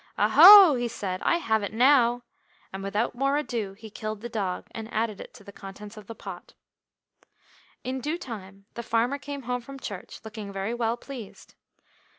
"Aho," he said, "I have it now!" And without more ado he killed the dog, and added it to the contents of the pot. In due time the farmer came home from church, looking very well pleased.